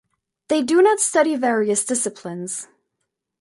They do not study various disciplines.